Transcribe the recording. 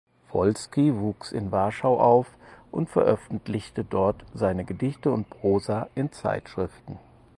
Wolski wuchs in Warschau auf und veröffentlichte dort seine Gedichte und Prosa in Zeitschriften.